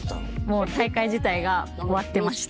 もう大会自体が終わってました。